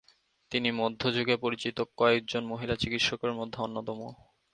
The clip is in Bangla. তিনি মধ্যযুগে পরিচিত কয়েকজন মহিলা চিকিৎসকের মধ্যে অন্যতম।